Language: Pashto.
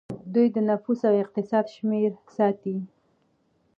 دوی د نفوس او اقتصاد شمیرې ساتي.